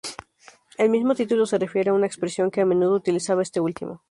El mismo título se refiere a una expresión que a menudo utilizaba este último.